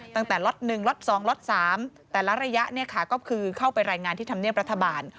ตั้งแต่ล็อต๑ล็อต๒ล็อต๓แต่ละระยะก็คือเข้าไปรายงานที่ธรรมเนียบรัฐบาล